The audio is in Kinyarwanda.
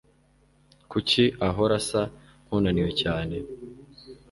Kuki ahora asa nkunaniwe cyane?